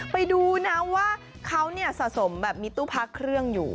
ไปดูนะว่าเขาสะสมแบบมีตู้พักเครื่องอยู่